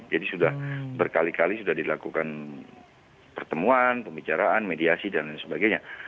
jadi sudah berkali kali sudah dilakukan pertemuan pembicaraan mediasi dan sebagainya